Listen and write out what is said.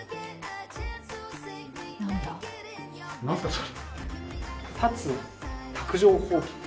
何だ？